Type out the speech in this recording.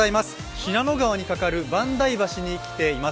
信濃川にかかる萬代橋に来ています。